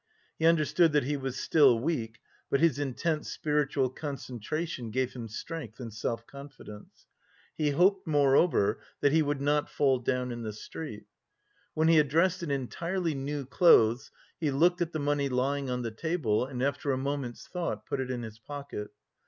He understood that he was still weak, but his intense spiritual concentration gave him strength and self confidence. He hoped, moreover, that he would not fall down in the street. When he had dressed in entirely new clothes, he looked at the money lying on the table, and after a moment's thought put it in his pocket.